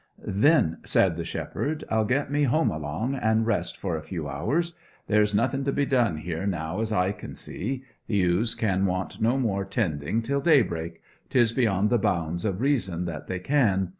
'Then,' said the shepherd, 'I'll get me home along, and rest for a few hours. There's nothing to be done here now as I can see. The ewes can want no more tending till daybreak 'tis beyond the bounds of reason that they can.